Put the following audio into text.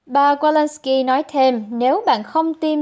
bà wolinsky nói thêm